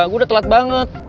gue udah telat banget